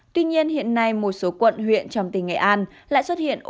tuy nhiên hiện nay một số quận huyện trong tỉnh nghệ an lại xuất hiện